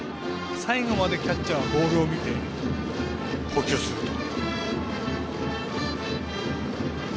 最後までキャッチャーはボールを見て捕球すると。